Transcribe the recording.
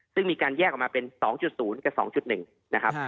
ซึ่งมีการแยกออกมาเป็น๒๐กับ๒๑นะครับ